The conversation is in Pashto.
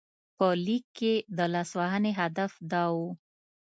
په لیک کې د لاسوهنې هدف دا و.